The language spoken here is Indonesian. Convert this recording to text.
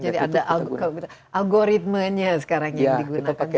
jadi ada algoritmenya sekarang yang digunakan